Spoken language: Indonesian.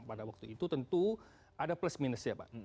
pada waktu itu tentu ada plus minusnya pak